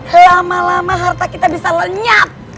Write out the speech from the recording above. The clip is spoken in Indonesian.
lama lama harta kita bisa lenyap